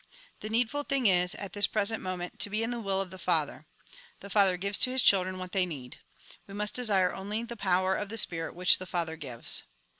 The needful thing is, at this present moment, to be in the will of the Father. The Father gives to his children what they need. We must desire only the power of the Spirit, which the Father gives.